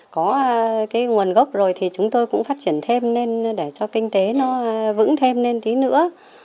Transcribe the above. có cái nguồn gốc rồi thì chúng tôi cũng phát triển thêm lên để cho kinh tế nó vững thêm lên tí nữa